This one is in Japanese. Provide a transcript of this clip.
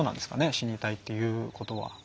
死にたいって言うことは。